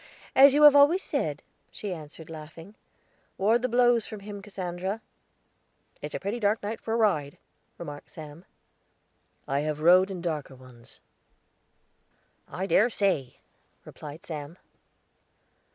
"As you have always said," she answered, laughing. "Ward the blows from him, Cassandra." "It's a pretty dark night for a ride," remarked Sam. "I have rode in darker ones." "I dessay," replied Sam.